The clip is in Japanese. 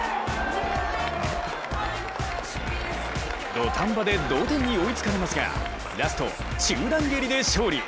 土壇場で同点に追いつかれますがラスト、中段蹴りで勝利。